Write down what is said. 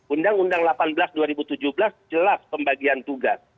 undang undang delapan belas dua ribu tujuh belas jelas pembagian tugas